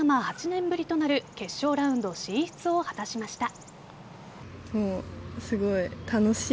８年ぶりとなる決勝ラウンド進出を果たしました。